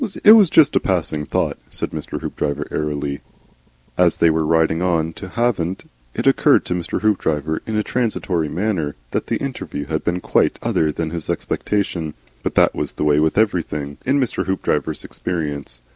"It was jest a passing thought," said Mr. Hoopdriver, airily. "Didn't MEAN anything, you know." As they were riding on to Havant it occurred to Mr. Hoopdriver in a transitory manner that the interview had been quite other than his expectation. But that was the way with everything in Mr. Hoopdriver's experience.